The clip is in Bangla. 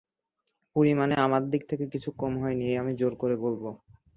পরিমাণে আমার দিক থেকে কিছু কম হয় নি এ আমি জোর করে বলব।